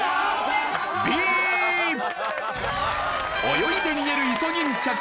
泳いで逃げるイソギンチャク。